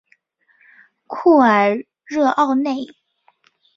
库尔热奥内。